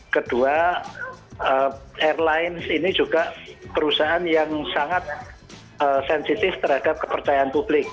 kedua airlines ini juga perusahaan yang sangat sensitif terhadap kepercayaan publik